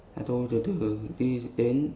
rồi tôi thử đi đến